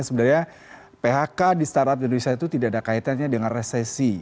sebenarnya phk di startup indonesia itu tidak ada kaitannya dengan resesi